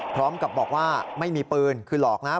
พร้อมกับบอกว่าไม่มีปืนคือหลอกนะ